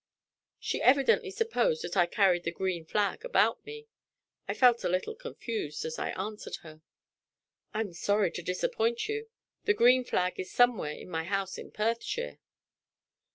She evidently supposed that I carried the green flag about me! I felt a little confused as I answered her. "I am sorry to disappoint you. The green flag is somewhere in my house in Perthshire."